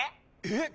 えっ！？